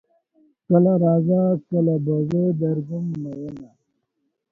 کله راځه کله به زه درځم میینه